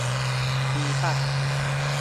ดีป่ะ ?